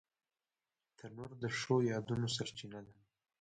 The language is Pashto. تنور د ښو یادونو سرچینه ده